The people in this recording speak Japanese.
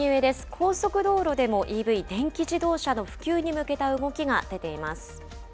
高速道路でもＥＶ・電気自動車の普及に向けた動きが出ています。